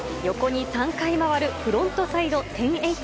横に３回回るフロントサイド１０８０。